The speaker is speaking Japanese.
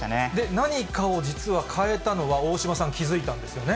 何かを実は変えたのは、大島さん、気付いたんですよね？